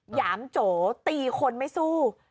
หยามโจตีคนไม่สู้